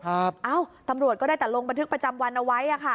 เอ้าตำรวจก็ได้แต่ลงบันทึกประจำวันเอาไว้อ่ะค่ะ